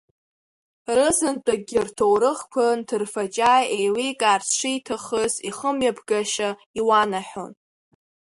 Рызынтәыкгьы рҭоурыхқәа нҭырфаҷаа еиликаарц шиҭахыз ихымҩаԥгашьа иуанаҳәон.